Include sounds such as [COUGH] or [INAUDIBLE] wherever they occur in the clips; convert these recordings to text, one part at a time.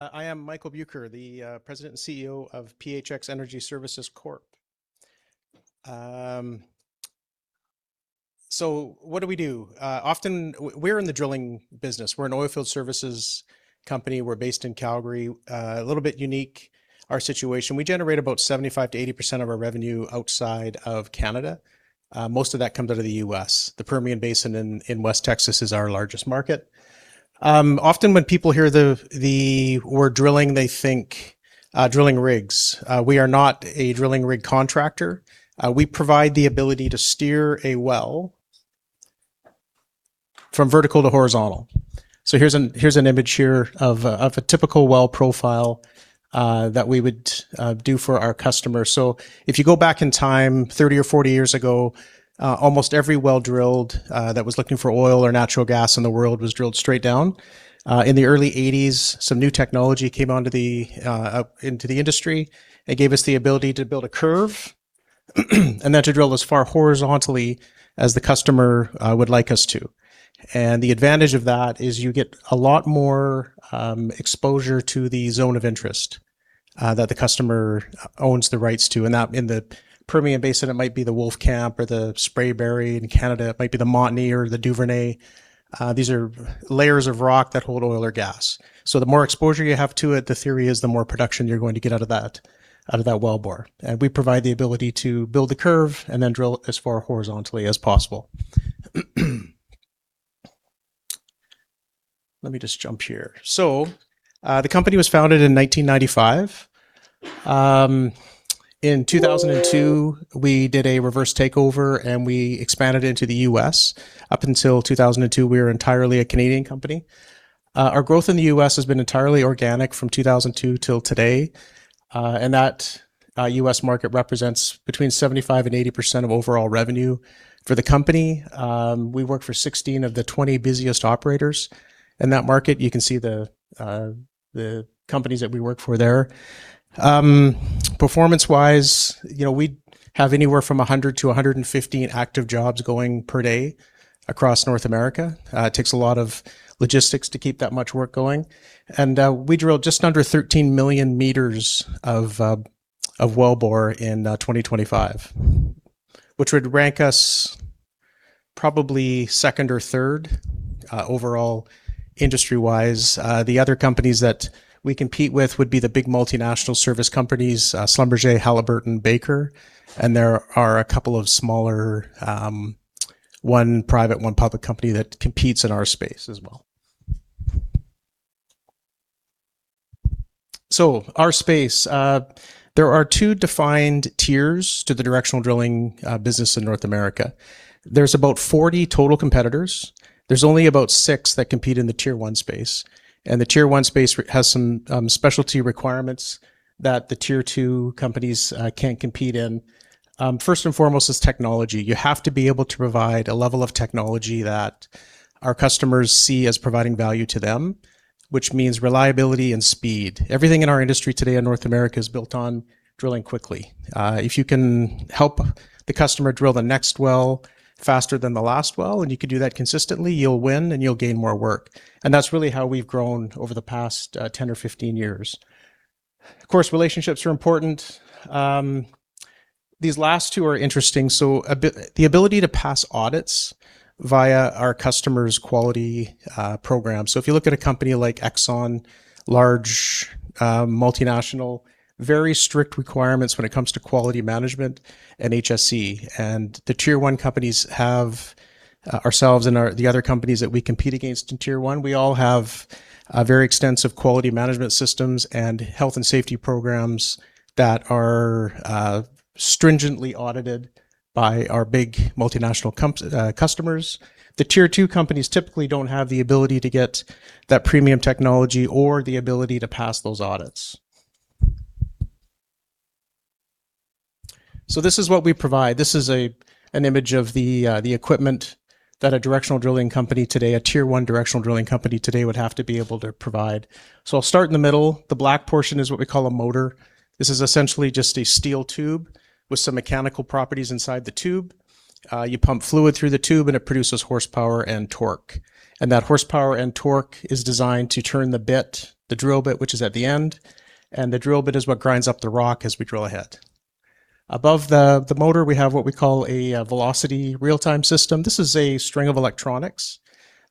I am Mike Buker, the President and CEO of PHX Energy Services Corp. What do we do? We're in the drilling business. We're an oilfield services company. We're based in Calgary. A little bit unique, our situation. We generate about 75%-80% of our revenue outside of Canada. Most of that comes out of the U.S. The Permian Basin in West Texas is our largest market. Often when people hear the word drilling, they think drilling rigs. We are not a drilling rig contractor. We provide the ability to steer a well from vertical to horizontal. Here's an image here of a typical well profile that we would do for our customers. If you go back in time, 30 or 40 years ago, almost every well drilled that was looking for oil or natural gas in the world was drilled straight down. In the early 1980s, some new technology came into the industry and gave us the ability to build a curve and then to drill as far horizontally as the customer would like us to. The advantage of that is you get a lot more exposure to the zone of interest that the customer owns the rights to. In the Permian Basin, it might be the Wolfcamp or the Spraberry. In Canada, it might be the Montney or the Duvernay. These are layers of rock that hold oil or gas. The more exposure you have to it, the theory is, the more production you're going to get out of that wellbore. We provide the ability to build the curve and then drill as far horizontally as possible. Let me just jump here. The company was founded in 1995. In 2002, we did a reverse takeover, we expanded into the U.S. Up until 2002, we were entirely a Canadian company. Our growth in the U.S. has been entirely organic from 2002 till today. That U.S. market represents between 75% and 80% of overall revenue for the company. We work for 16 of the 20 busiest operators in that market. You can see the companies that we work for there. Performance-wise, we have anywhere from 100 to 115 active jobs going per day across North America. It takes a lot of logistics to keep that much work going. We drilled just under 13 million meters of wellbore in 2025, which would rank us probably second or third, overall, industry-wise. The other companies that we compete with would be the big multinational service companies, Schlumberger, Halliburton, Baker. There are a couple of smaller, one private, one public company, that competes in our space as well. Our space. There are two defined tiers to the directional drilling business in North America. There's about 40 total competitors. There's only about six that compete in the Tier 1 space. The Tier 1 space has some specialty requirements that the Tier 2 companies can't compete in. First and foremost is technology. You have to be able to provide a level of technology that our customers see as providing value to them, which means reliability and speed. Everything in our industry today in North America is built on drilling quickly. If you can help the customer drill the next well faster than the last well, and you can do that consistently, you'll win, and you'll gain more work. That's really how we've grown over the past 10 or 15 years. Of course, relationships are important. These last two are interesting. The ability to pass audits via our customers' quality programs. If you look at a company like Exxon, large, multinational, very strict requirements when it comes to quality management and HSE. The Tier 1 companies have, ourselves and the other companies that we compete against in Tier 1, we all have very extensive quality management systems and health and safety programs that are stringently audited by our big multinational customers. The Tier 2 companies typically don't have the ability to get that premium technology or the ability to pass those audits. This is what we provide. This is an image of the equipment that a directional drilling company today, a Tier 1 directional drilling company today, would have to be able to provide. I'll start in the middle. The black portion is what we call a motor. This is essentially just a steel tube with some mechanical properties inside the tube. You pump fluid through the tube, and it produces horsepower and torque. That horsepower and torque is designed to turn the bit, the drill bit, which is at the end, and the drill bit is what grinds up the rock as we drill ahead. Above the motor, we have what we call a Velocity Real-Time System. This is a string of electronics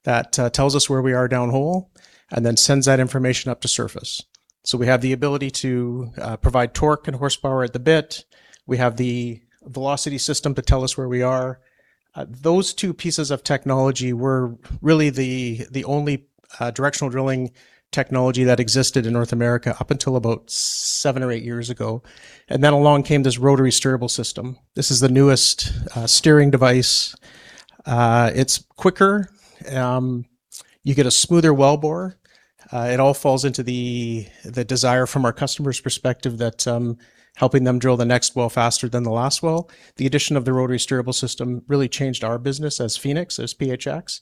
that tells us where we are downhole and then sends that information up to surface. We have the ability to provide torque and horsepower at the bit. We have the Velocity system to tell us where we are. Those two pieces of technology were really the only directional drilling technology that existed in North America up until about seven or eight years ago. Along came this rotary steerable system. This is the newest steering device. It's quicker. You get a smoother wellbore. It all falls into the desire from our customers' perspective that helping them drill the next well faster than the last well. The addition of the rotary steerable system really changed our business as Phoenix, as PHX.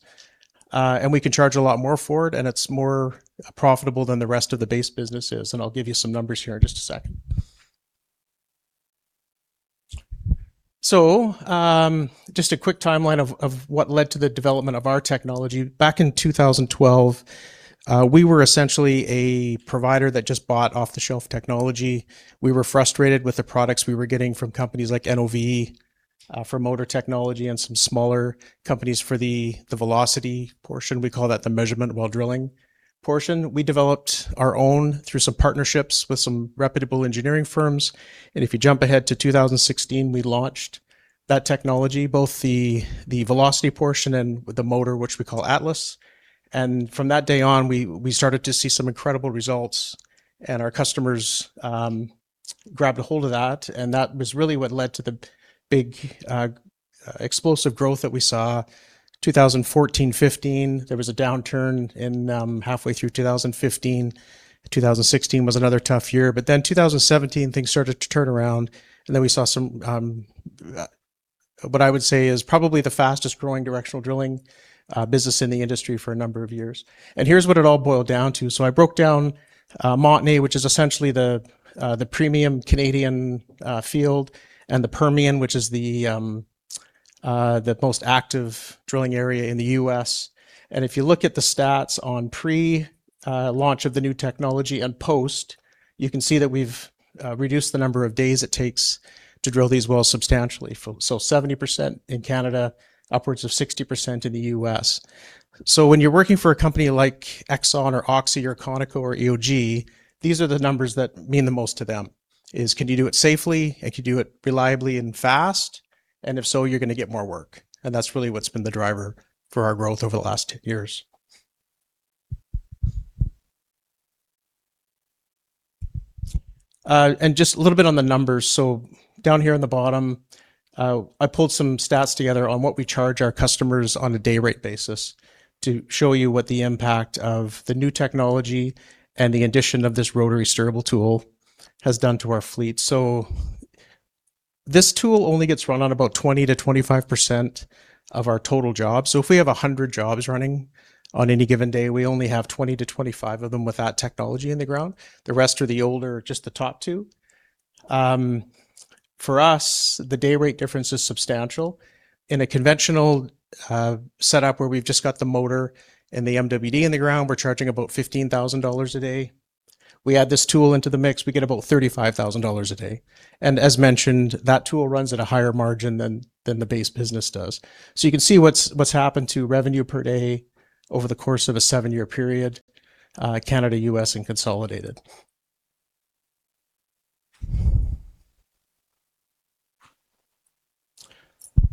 We can charge a lot more for it, and it's more profitable than the rest of the base business is, and I'll give you some numbers here in just a second. Just a quick timeline of what led to the development of our technology. Back in 2012, we were essentially a provider that just bought off-the-shelf technology. We were frustrated with the products we were getting from companies like NOV for motor technology and some smaller companies for the Velocity portion. We call that the measurement while drilling portion. We developed our own through some partnerships with some reputable engineering firms. If you jump ahead to 2016, we launched that technology, both the Velocity portion and the motor, which we call Atlas. From that day on, we started to see some incredible results, and our customers grabbed ahold of that, and that was really what led to the big explosive growth that we saw. 2014, 2015, there was a downturn in halfway through 2015. 2016 was another tough year. 2017, things started to turn around. We saw what I would say is probably the fastest growing directional drilling business in the industry for a number of years. Here's what it all boiled down to. I broke down Montney, which is essentially the premium Canadian field, and the Permian, which is the most active drilling area in the U.S. If you look at the stats on pre-launch of the new technology and post, you can see that we've reduced the number of days it takes to drill these wells substantially. 70% in Canada, upwards of 60% in the U.S. When you're working for a company like Exxon or OXY or Conoco or EOG, these are the numbers that mean the most to them is can you do it safely and can you do it reliably and fast? If so, you're going to get more work. That's really what's been the driver for our growth over the last two years. Just a little bit on the numbers. Down here in the bottom, I pulled some stats together on what we charge our customers on a day rate basis to show you what the impact of the new technology and the addition of this rotary steerable tool has done to our fleet. This tool only gets run on about 20%-25% of our total jobs. If we have 100 jobs running on any given day, we only have 20-25 of them with that technology in the ground. The rest are the older, just the top two. For us, the day rate difference is substantial. In a conventional setup where we've just got the motor and the MWD in the ground, we're charging about 15,000 dollars a day. We add this tool into the mix, we get about 35,000 dollars a day. As mentioned, that tool runs at a higher margin than the base business does. You can see what's happened to revenue per day over the course of a seven-year period, Canada, U.S., and consolidated.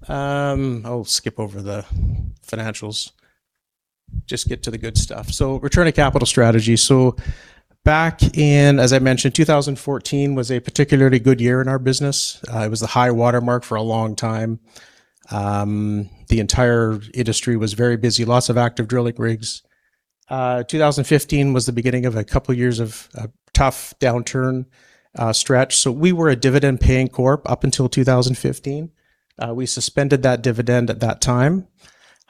I'll skip over the financials, just get to the good stuff. Return on capital strategy. Back in, as I mentioned, 2014 was a particularly good year in our business. It was the high watermark for a long time. The entire industry was very busy. Lots of active drilling rigs. 2015 was the beginning of a couple of years of a tough downturn stretch. We were a dividend-paying corp up until 2015. We suspended that dividend at that time.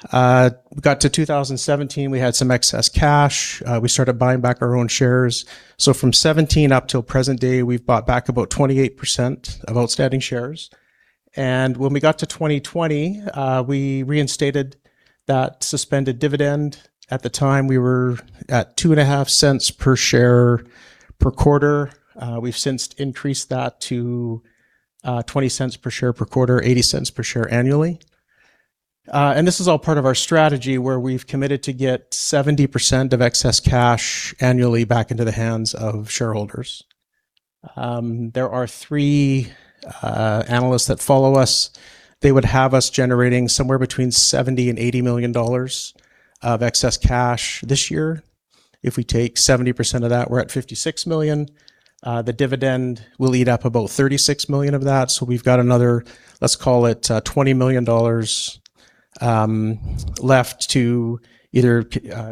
We got to 2017, we had some excess cash. We started buying back our own shares. From 2017 up till present day, we've bought back about 28% of outstanding shares. When we got to 2020, we reinstated that suspended dividend. At the time, we were at 0.025 per share per quarter. We've since increased that to CAD 0.20 per share per quarter, 0.80 per share annually. This is all part of our strategy where we've committed to get 70% of excess cash annually back into the hands of shareholders. There are three analysts that follow us. They would have us generating somewhere between 70 million and 80 million dollars of excess cash this year. If we take 70% of that, we're at 56 million. The dividend will eat up about 36 million of that. We've got another, let's call it 20 million dollars left to either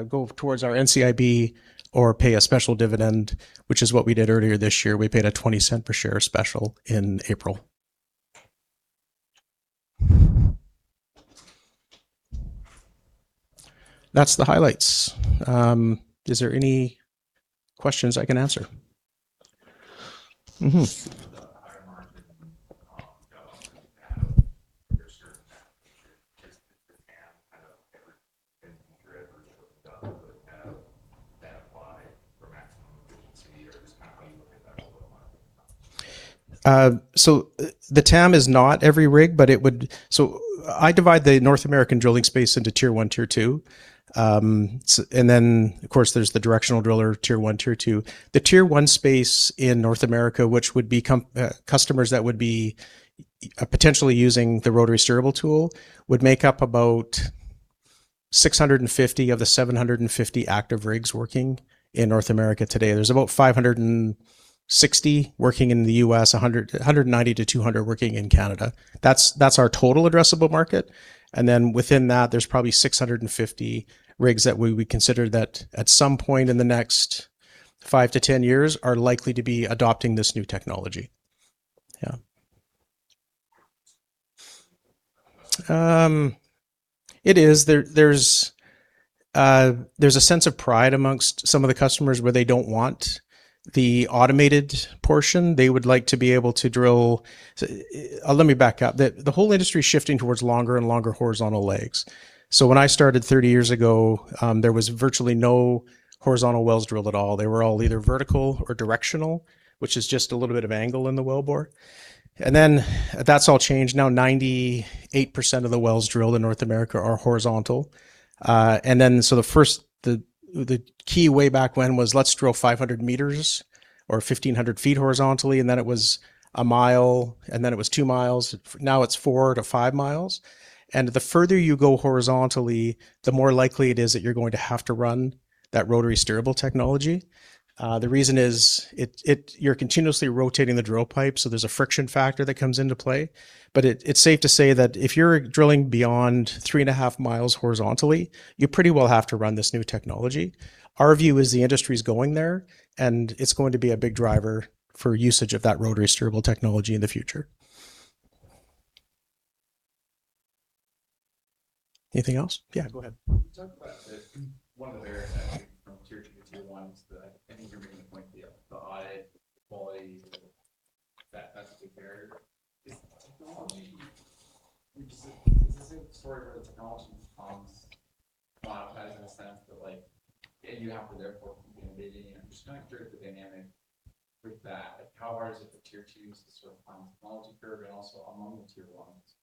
go towards our NCIB or pay a special dividend, which is what we did earlier this year. We paid a 0.20 per share special in April. That's the highlights. Is there any questions I can answer? [AUDIO DISTORTION] The TAM is not every rig, but it would I divide the North American drilling space into Tier 1, Tier 2. Then, of course, there's the directional driller, Tier 1, Tier 2. The Tier 1 space in North America, which would be customers that would be potentially using the rotary steerable tool, would make up about 650 of the 750 active rigs working in North America today. There's about 560 working in the U.S., 190-200 working in Canada. That's our total addressable market. Then within that, there's probably 650 rigs that we would consider that at some point in the next five to 10 years are likely to be adopting this new technology. Yeah. It is. There's a sense of pride amongst some of the customers where they don't want the automated portion. They would like to be able to, let me back up. The whole industry is shifting towards longer and longer horizontal legs. When I started 30 years ago, there was virtually no horizontal wells drilled at all. They were all either vertical or directional, which is just a little bit of angle in the wellbore. That's all changed. Now 98% of the wells drilled in North America are horizontal. The key way back when was, let's drill 500 m or 1,500 ft horizontally, then it was a mile, then it was two miles. Now it's four to five miles. The further you go horizontally, the more likely it is that you're going to have to run that rotary steerable technology. The reason is you're continuously rotating the drill pipe, so there's a friction factor that comes into play. It's safe to say that if you're drilling beyond three and a half miles horizontally, you pretty well have to run this new technology. Our view is the industry's going there, and it's going to be a big driver for usage of that rotary steerable technology in the future. Anything else? Yeah, go ahead. Can you talk about one of the barriers, I think, from Tier 2 to Tier 1 is the, I think your main point, the audit quality that has to compare. Is this a story where the technology becomes commoditized in a sense that like, and you have to therefore compete? I'm just trying to figure out the dynamic with that. Like how hard is it for Tier 2s to sort of climb the technology curve and also among the Tier 1s,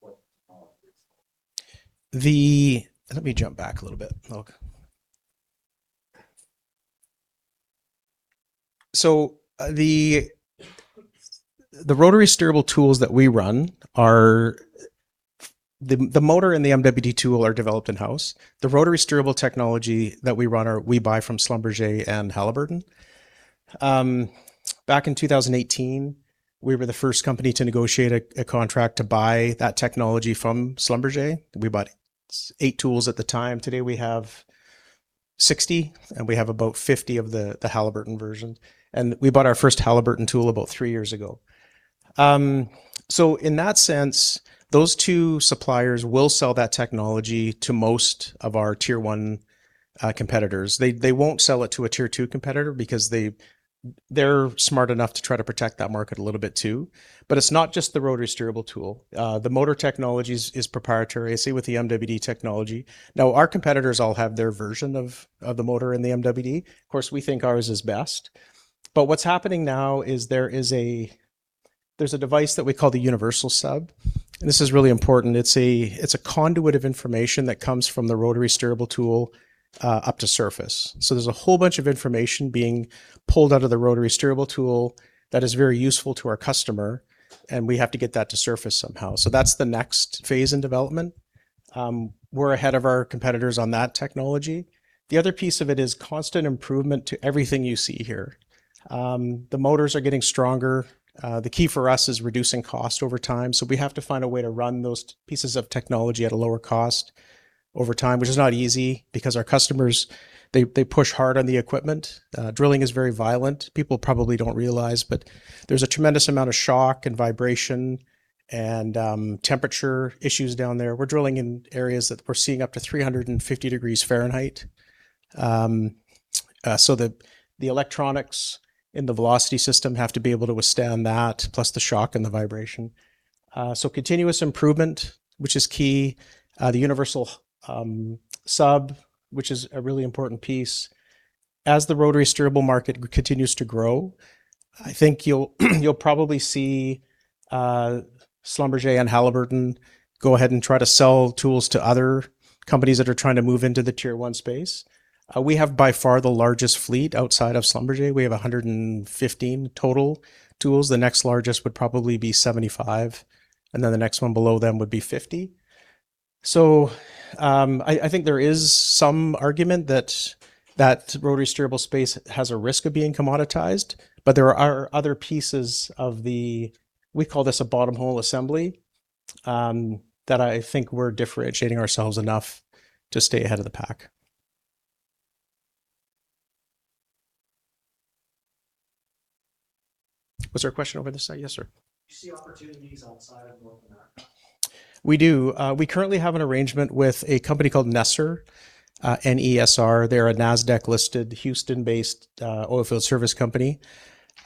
what technology is. Let me jump back a little bit, look. The rotary steerable tools that we run are, the motor and the MWD tool are developed in-house. The rotary steerable technology that we run we buy from Schlumberger and Halliburton. Back in 2018, we were the first company to negotiate a contract to buy that technology from Schlumberger. We bought eight tools at the time. Today we have 60, and we have about 50 of the Halliburton version, and we bought our first Halliburton tool about three years ago. In that sense, those two suppliers will sell that technology to most of our tier 1 competitors. They won't sell it to a Tier 2 competitor because they're smart enough to try to protect that market a little bit too. It's not just the rotary steerable tool. The motor technology is proprietary, same with the MWD technology. Now our competitors all have their version of the motor and the MWD. Of course, we think ours is best. What's happening now is there's a device that we call the universal sub, and this is really important. It's a conduit of information that comes from the rotary steerable tool up to surface. There's a whole bunch of information being pulled out of the rotary steerable tool that is very useful to our customer, and we have to get that to surface somehow. That's the next phase in development. We're ahead of our competitors on that technology. The other piece of it is constant improvement to everything you see here. The motors are getting stronger. The key for us is reducing cost over time. We have to find a way to run those pieces of technology at a lower cost over time, which is not easy because our customers, they push hard on the equipment. Drilling is very violent. People probably don't realize, but there's a tremendous amount of shock and vibration and temperature issues down there. We're drilling in areas that we're seeing up to 350 degrees Fahrenheit. The electronics in the Velocity system have to be able to withstand that, plus the shock and the vibration. Continuous improvement, which is key. The universal sub, which is a really important piece. As the rotary steerable market continues to grow, I think you'll probably see Schlumberger and Halliburton go ahead and try to sell tools to other companies that are trying to move into the tier 1 space. We have by far the largest fleet outside of Schlumberger. We have 115 total tools. The next largest would probably be 75, and then the next one below them would be 50. I think there is some argument that rotary steerable space has a risk of being commoditized. There are other pieces of the, we call this a bottom hole assembly, that I think we're differentiating ourselves enough to stay ahead of the pack. Was there a question over on this side? Yes, sir. Do you see opportunities outside of North America? We do. We currently have an arrangement with a company called NESR, N-E-S-R. They're a NASDAQ-listed, Houston-based oilfield service company.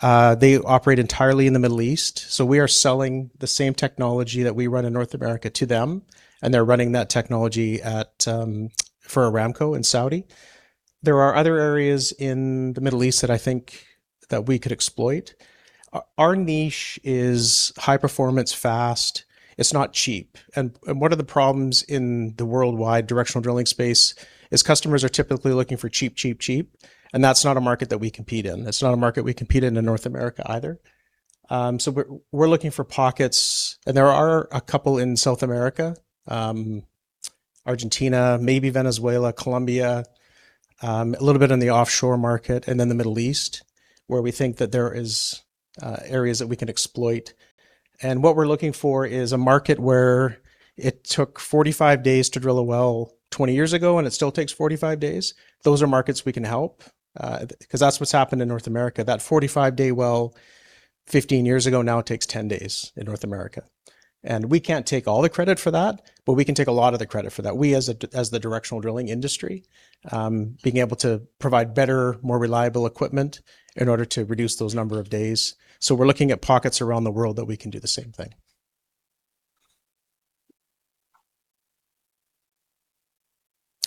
They operate entirely in the Middle East. We are selling the same technology that we run in North America to them, and they're running that technology for Aramco in Saudi. There are other areas in the Middle East that I think that we could exploit. Our niche is high performance, fast. It's not cheap. One of the problems in the worldwide directional drilling space is customers are typically looking for cheap. That's not a market that we compete in. That's not a market we compete in in North America either. We're looking for pockets, and there are a couple in South America. Argentina, maybe Venezuela, Colombia, a little bit in the offshore market, and then the Middle East, where we think that there is areas that we can exploit. What we're looking for is a market where it took 45 days to drill a well 20 years ago, and it still takes 45 days. Those are markets we can help, because that's what's happened in North America. That 45-day well 15 years ago now takes 10 days in North America. We can't take all the credit for that, but we can take a lot of the credit for that. We, as the directional drilling industry, being able to provide better, more reliable equipment in order to reduce those number of days. We're looking at pockets around the world that we can do the same thing.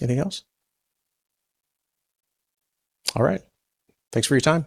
Anything else? All right. Thanks for your time.